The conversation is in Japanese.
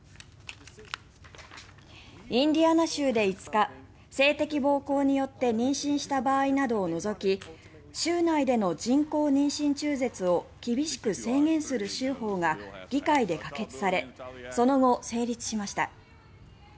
インディアナ州で５日性的暴行によって妊娠した場合などを除き州内での人工妊娠中絶を厳しく制限する州法が議会で可決されその後成立しました。